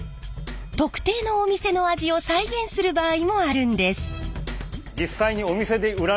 特定のお店の味を再現する場合もあるんです。